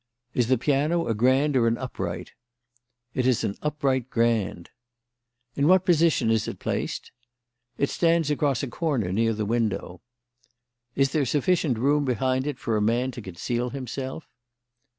"Is the piano a grand or an upright." "It is an upright grand." "In what position is it placed?" "It stands across a corner near the window." "Is there sufficient room behind it for a man to conceal himself?"